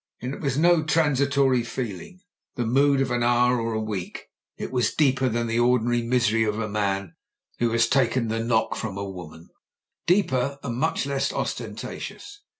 And it was no transitory feeling: the mood of an hour or a week. It was deeper than the ordinary misery of a man who has taken the knock from a woman, deeper and much less ostentatious.